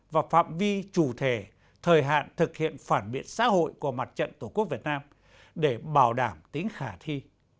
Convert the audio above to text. và phạm vi chủ thể thời hạn thực hiện phản biện xã hội của mặt trận tổ quốc việt nam để bảo đảm tính khả thi